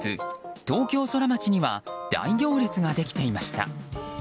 東京ソラマチには大行列ができていました。